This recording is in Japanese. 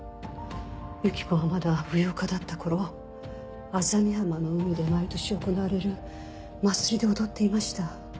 由紀子がまだ舞踊家だった頃薊浜の海で毎年行われる祭りで踊っていました。